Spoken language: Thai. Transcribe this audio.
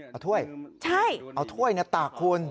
เอาถ้วยเอาถ้วยเนี่ยตักคุณใช่